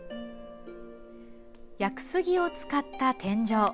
屋久杉を使った天井。